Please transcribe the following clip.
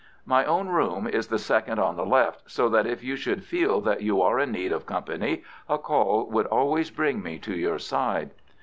"My own room is the second on the left, so that if you should feel that you are in need of company a call would always bring me to your side."